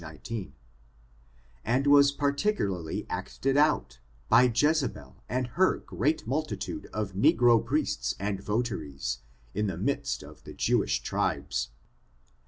19], and was par ticularly acted out, by Jezebel and her great multi tude of n^ro priests and votaries, in the midst of the Jewish tribes.